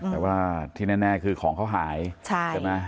แต่ว่าที่แน่คือของเขาหายใช่ไหม